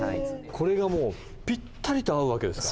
これがもうぴったりと合う訳ですか。